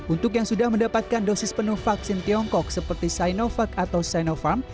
untuk yang sudah mendapatkan dosis penuh vaksin tiongkok seperti sinovac atau sinovac